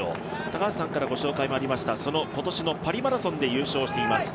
高橋さんから紹介もありましたが今年のパリマラソンで優勝しています。